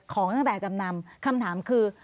ของตั้งแต่จำนำคำถามคือ